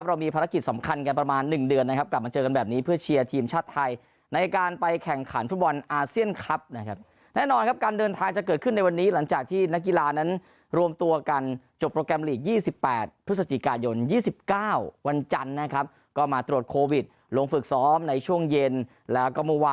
เรามีภารกิจสำคัญกันประมาณ๑เดือนนะครับกลับมาเจอกันแบบนี้เพื่อเชียร์ทีมชาติไทยในการไปแข่งขันฟุตบอลอาเซียนคลับนะครับแน่นอนครับการเดินทางจะเกิดขึ้นในวันนี้หลังจากที่นักกีฬานั้นรวมตัวกันจบโปรแกรมลีก๒๘พฤศจิกายน๒๙วันจันทร์นะครับก็มาตรวจโควิดลงฝึกซ้อมในช่วงเย็นแล้วก็เมื่อวาน